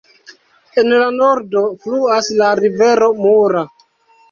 En la nordo fluas la rivero Mura.